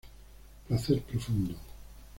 Placer profundo.